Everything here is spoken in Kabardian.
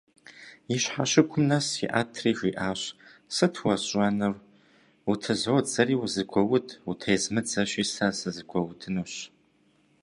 И щхьэщыгум нэс иӏэтри, жиӏащ: «Сыт уэсщӏэнур? Утызодзэри - узэгуоуд, утезмыдзэщи, сэ сызэгуэудынущ».